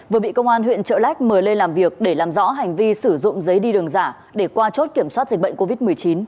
vừa bị công an huyện trợ lách mời lên làm việc để làm rõ hành vi sử dụng giấy đi đường giả để qua chốt kiểm soát dịch bệnh covid một mươi chín